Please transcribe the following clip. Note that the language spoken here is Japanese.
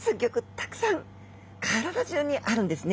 たくさん体中にあるんですね。